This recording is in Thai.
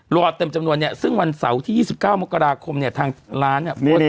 รอเต็มจำนวนเนี่ยซึ่งวันเสาร์ที่๒๙มกราคมเนี่ยทางร้านเนี่ย